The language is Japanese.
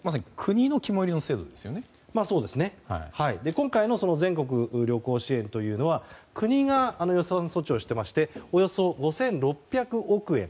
今回の全国旅行支援というのは国が予算措置をしていましておよそ５６００億円。